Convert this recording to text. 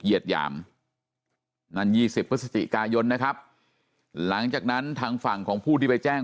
หยามนั่น๒๐พฤศจิกายนนะครับหลังจากนั้นทางฝั่งของผู้ที่ไปแจ้ง